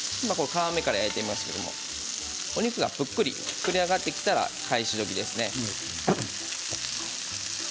皮目から焼いていましたけどお肉がプックリ膨れ上がってきたら返しどきですね。